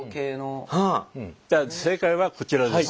じゃあ正解はこちらです。